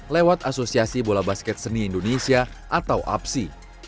lewat asosiasi bola basket seni indonesia atau apsi